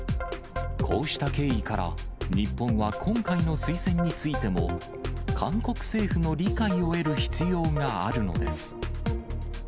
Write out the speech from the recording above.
こうした経緯から、日本は今回の推薦についても、韓国政府の理解を得る必要があるのです。